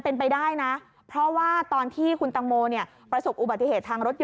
เป็นไปได้นะเพราะว่าตอนที่คุณตังโมเนี่ยประสบอุบัติเหตุทางรถยน